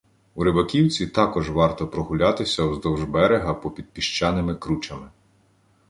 У Рибаківці також варто прогулятися вздовж берега попід піщаними кручами